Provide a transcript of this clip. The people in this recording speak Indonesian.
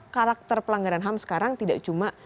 karakter pelanggaran ham sekarang tidak cuma